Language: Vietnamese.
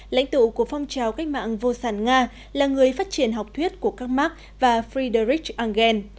lãnh tụ của phong trào cách mạng vô sản nga là người phát triển học thuyết của các mark và friedrich engel